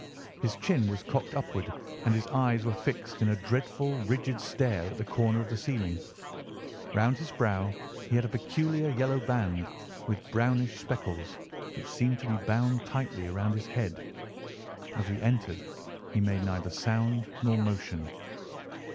His chin was cocked upward and his eyes were fixed in a dreadful, rigid stare at the corner of the ceiling. Round his brow he had a peculiar yellow band, with brownish speckles, which seemed to be bound tightly round his head. As we entered he made neither sound nor motion.